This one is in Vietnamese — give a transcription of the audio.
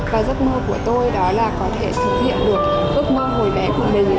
và giấc mơ của tôi đó là có thể thực hiện được ước mơ hồi bé của mình